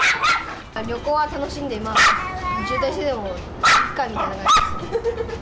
旅行は楽しいんで、渋滞してもいっかみたいな感じです。